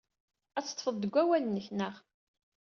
Ad teḍḍfed deg wawal-nnek, naɣ?